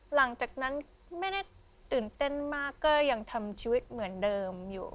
หลังจากนั้นไม่ได้ตื่นเต้นมากก็ยังทำชีวิตเหมือนเดิมอยู่